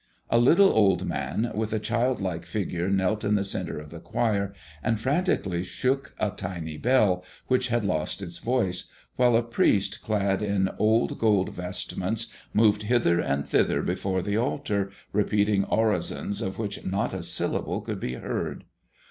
A little old man with a childlike figure knelt in the centre of the choir and frantically shook a tiny bell which had lost its voice, while a priest clad in old gold vestments moved hither and thither before the altar repeating orisons of which not a syllable could be heard.